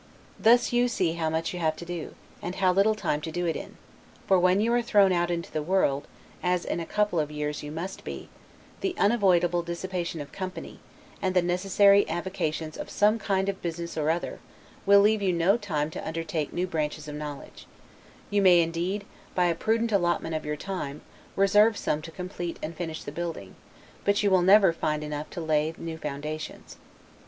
Thus you see how much you have to do; and how little time to do it in: for when you are thrown out into the world, as in a couple of years you must be, the unavoidable dissipation of company, and the necessary avocations of some kind of business or other, will leave you no time to undertake new branches of knowledge: you may, indeed, by a prudent allotment of your time, reserve some to complete and finish the building; but you will never find enough to lay new foundations.